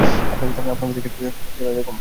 আপনের ব্যথা চিল্লাইলেও কমবে না।